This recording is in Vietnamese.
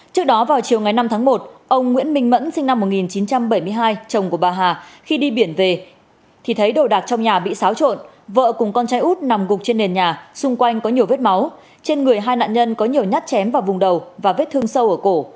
trước đó vào chiều ngày năm tháng một ông nguyễn minh mẫn sinh năm một nghìn chín trăm bảy mươi hai chồng của bà hà khi đi biển về thì thấy đồ đạc trong nhà bị xáo trộn vợ cùng con trai út nằm gục trên nền nhà xung quanh có nhiều vết máu trên người hai nạn nhân có nhiều nhát chém vào vùng đầu và vết thương sâu ở cổ